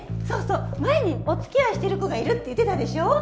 そうそう前におつきあいしてる子がいるって言ってたでしょ？